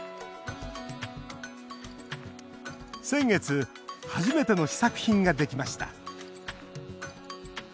先月、初めての試作品ができました。